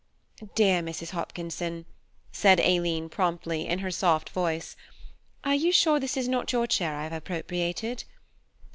–" "Dear Mrs Hopkinson," said Aileen promptly, in her soft voice, "are you sure this is not your chair I have appropriated?"